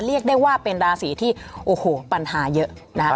เรียกได้ว่าเป็นราศีที่โอ้โหปัญหาเยอะนะครับ